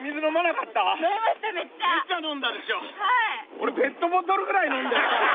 俺ペットボトルぐらい飲んだよたぶんマジで。